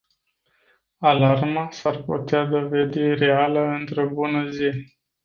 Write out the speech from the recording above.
Alarma s-ar putea dovedi reală într-o bună zi.